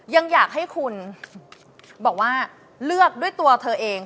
ยังอยากให้คุณบอกว่าเลือกด้วยตัวเธอเอง